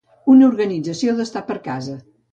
Una organització d'estar per casa.